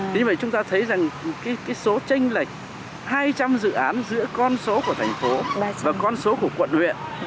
như vậy chúng ta thấy rằng cái số tranh lệch hai trăm linh dự án giữa con số của thành phố và con số của quận huyện